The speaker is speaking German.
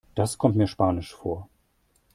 Das kommt mir spanisch vor.